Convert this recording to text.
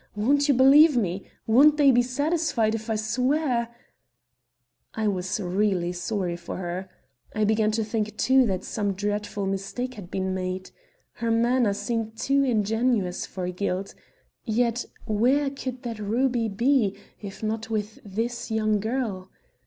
Won't you believe me? Won't they be satisfied if I swear " I was really sorry for her. I began to think too that some dreadful mistake had been made. Her manner seemed too ingenuous for guilt. Yet where could that ruby be, if not with this young girl?